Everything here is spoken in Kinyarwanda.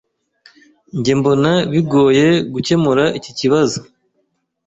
Njye mbona, bigoye gukemura iki kibazo.